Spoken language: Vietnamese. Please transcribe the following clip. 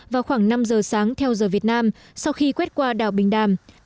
vào khoảng năm giờ sáng theo giờ việt nam sau khi quét qua đảo bình đàm